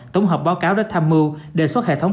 tổng hợp báo cáo để tham mưu đề xuất hệ thống